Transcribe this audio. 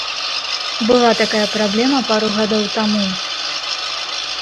Была такая праблема пару гадоў таму.